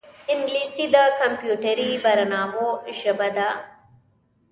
انګلیسي د کمپیوټري برنامو ژبه ده